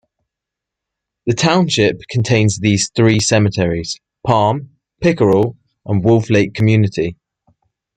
The township contains these three cemeteries: Palm, Pickerel and Wolf Lake Community.